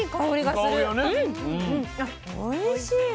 あおいしい。